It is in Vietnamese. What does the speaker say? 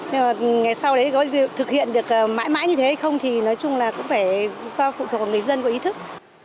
nhưng mà ngày sau đấy có thực hiện được mãi mãi như thế không thì nói chung là cũng phải do phụ thuộc vào người dân có ý thức